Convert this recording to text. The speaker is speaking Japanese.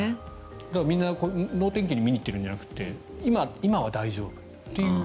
だから、みんな能天気に見に行ってるんじゃなくて今は大丈夫と。